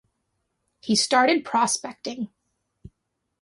He started prospecting.